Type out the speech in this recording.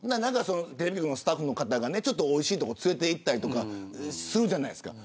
テレビ局のスタッフの人がおいしい所に連れて行ったりとかするじゃないですか。